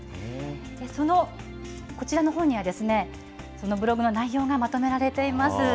そのこちらの本には、このブログの内容がまとめられています。